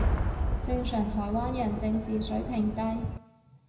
正常台灣人正字水平低